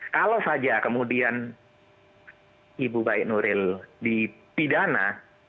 kalau saja kemudian ibu baik nuril dipidana